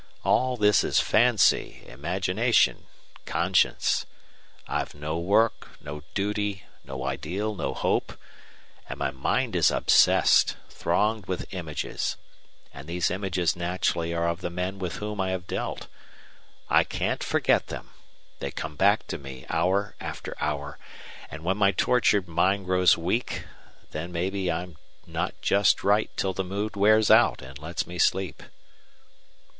All this is fancy imagination conscience. I've no work, no duty, no ideal, no hope and my mind is obsessed, thronged with images. And these images naturally are of the men with whom I have dealt. I can't forget them. They come back to me, hour after hour; and when my tortured mind grows weak, then maybe I'm not just right till the mood wears out and lets me sleep."